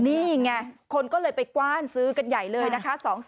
นี่ไงคนก็เลยไปกว้านซื้อกันใหญ่เลยนะคะ